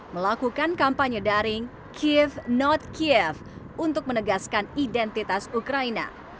melakukan kampanye daring kiev not kiev untuk menegaskan identitas ukraina